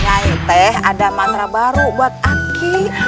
nyai teh ada mantra baru buat aku